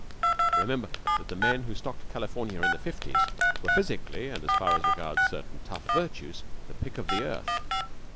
Remember that the men who stocked California in the fifties were physically, and, as far as regards certain tough virtues, the pick of the earth.